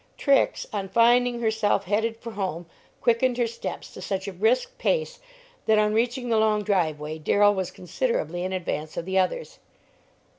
Trix, on finding herself headed for home, quickened her steps to such a brisk pace that on reaching the long driveway Darrell was considerably in advance of the others.